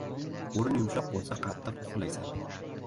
• O‘rin yumshoq bo‘lsa qattiq uxlaysan.